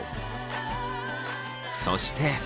そして。